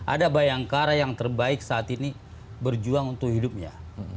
ada bayangkara yang terbaik saat ini berjuang untuk hidupnya